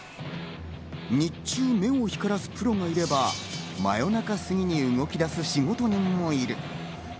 日中、目を光らせるプロがいれば、真夜中過ぎに動き出す仕事人もいる。